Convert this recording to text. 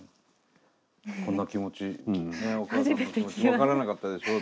こんな気持ちお母さんの気持ち分からなかったでしょうね。